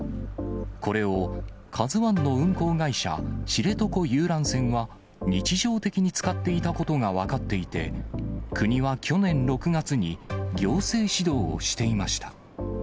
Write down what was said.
これをカズワンの運航会社、知床遊覧船は、日常的に使っていたことが分かっていて、国は去年６月に、行政指導をしていました。